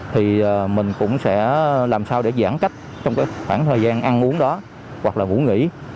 thì mình cũng sẽ làm sao để giãn cách trong cái khoảng thời gian ăn uống đó hoặc là ngủ nghỉ